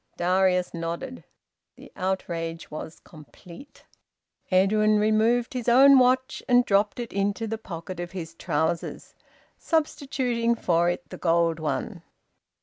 Darius nodded. The outrage was complete. Edwin removed his own watch and dropped it into the pocket of his trousers, substituting for it the gold one.